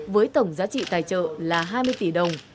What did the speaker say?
với tổng giá trị tài trợ là hai mươi tỷ đồng